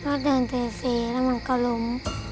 เพราะเดินเตยฟรีแล้วมันก็ลุ้ม